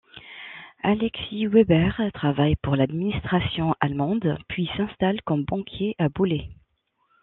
Alexis Weber travaille pour l'administration allemande puis s'installe comme banquier à Boulay.